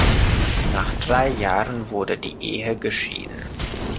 Nach drei Jahren wurde die Ehe geschieden.